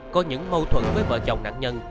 có những mâu thuẫn với vợ chồng nạn nhân